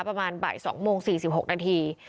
ประมาณบ่าย๒โมง๔๖นาที